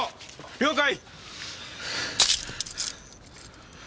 了解！